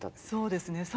そうですね。